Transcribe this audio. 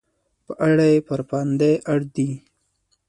په اړه یې پر پابندۍ اړ دي.